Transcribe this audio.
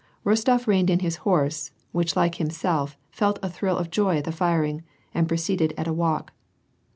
Rostof reined in his horse, which like himself, felt a thrill of joy at the firing, and proceeded at a walk.